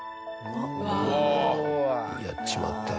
やっちまった。